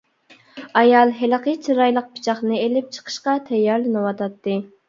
ئايال ھېلىقى چىرايلىق پىچاقنى ئېلىپ چىقىشقا تەييارلىنىۋاتاتتى.